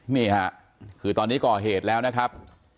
นี่ค่ะคือตอนนี้ก่อเหตุแล้วนะครับ